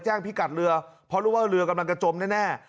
พิกัดเรือเพราะรู้ว่าเรือกำลังจะจมแน่